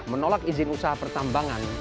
menolak izin usaha pertambangan